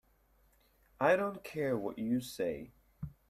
I don't care what you say.